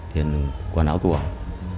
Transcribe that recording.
tiền quần áo tuồng